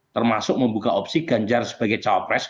termasuk membuka opsi ganjar sebagai cawapres